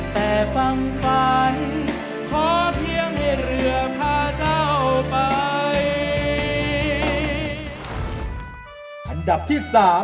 แต่ฟังฝันขอเพียงให้เรือพาเจ้าไป